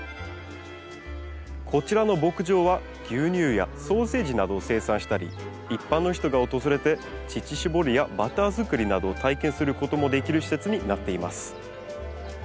こちらの牧場は牛乳やソーセージなどを生産したり一般の人が訪れて乳搾りやバター作りなどを体験することもできる施設になっています。